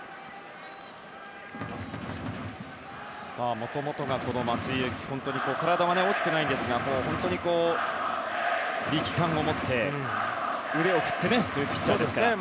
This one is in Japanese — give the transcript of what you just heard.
もともと松井裕樹体は大きくないですが力感を持って、腕を振ってというピッチャーですから。